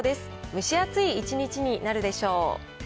蒸し暑い一日になるでしょう。